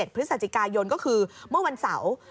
พฤศจิกายนก็คือเมื่อวันเสาร์